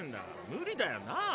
無理だよなぁ。